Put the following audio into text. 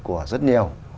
của rất nhiều